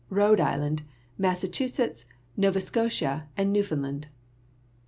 Rhode Island, Massachusetts, Nova Scotia and Newfound land.